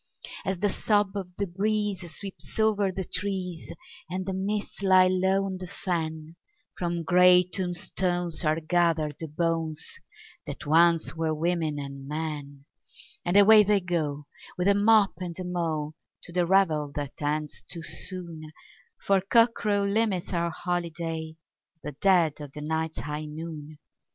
As the sob of the breeze sweeps over the trees, and the mists lie low on the fen, From grey tombstones are gathered the bones that once were women and men, And away they go, with a mop and a mow, to the revel that ends too soon, For cockcrow limits our holiday—the dead of the night's high noon!